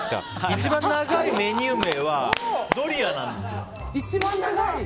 一番長いメニュー名はドリアなんですよ。